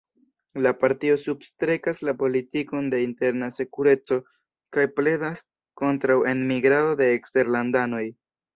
La partio substrekas la politikon de interna sekureco kaj pledas kontraŭ enmigrado de eksterlandanoj.